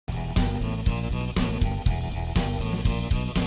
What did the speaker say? sampai jumpa di video selanjutnya